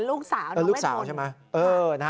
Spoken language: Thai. ลูกสาวใช่มั้ย